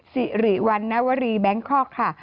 สิริวันนวรีแบงคอกค่ะ